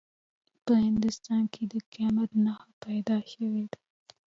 په هندوستان کې د قیامت نښانه پیدا شوې ده.